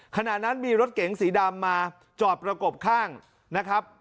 ขณะนั้นมีรถเก๋งสีดำมาจอดประกบข้างนะครับ